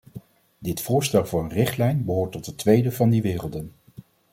Dit voorstel voor een richtlijn behoort tot de tweede van die werelden.